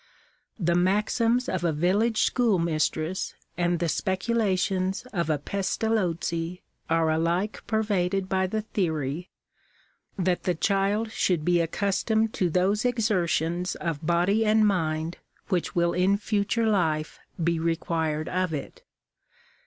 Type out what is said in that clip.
The maxims of a village schoolmistress and the speculations of a PegtaJozzi are alike pervaded by the thory that the child should be ac customed to those exertions of body and mind which will in future life be required of it.